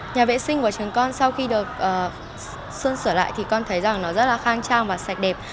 nhà vệ sinh của trường con sau khi được sơn sửa lại thì con thấy rằng nó rất là khang trang và sạch đẹp